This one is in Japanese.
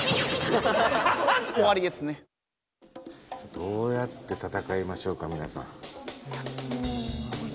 どうやって戦いましょうかみなさん。